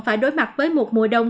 phải đối mặt với một mùa đông